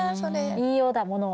言いようだものは。